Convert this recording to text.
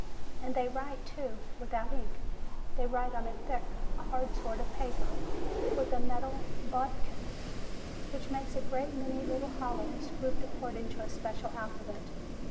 And they write, too, without ink. They write on a thick, hard sort of paper with a metal bodkin, which makes a great many little hollows, grouped according to a special alphabet.